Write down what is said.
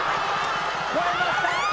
超えました！